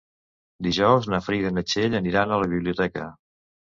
Dijous na Frida i na Txell aniran a la biblioteca.